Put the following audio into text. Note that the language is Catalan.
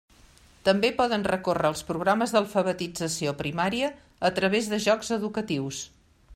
També poden recórrer als programes d'alfabetització primària a través de jocs educatius.